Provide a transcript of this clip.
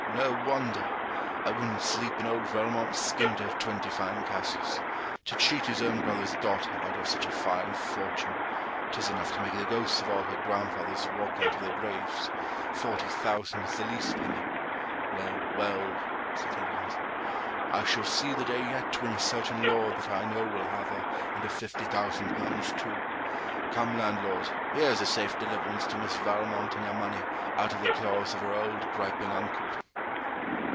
no wonder! I wouldn't sleep in old Valmont's skin to have twenty fine castles. To cheat his own brother's daughter out of such a fine fortune! 'Tis enough to make the ghosts of all her grandfather's walk out of their graves. Forty thousand is the least penny. Well, well,' said he rising, 'I shall see the day yet when a certain Lord that I know will have her and her fifty thousand pounds too. Come, landlord, here's a safe deliverance to Miss Valmont and her money out of the claws of her old griping uncle.'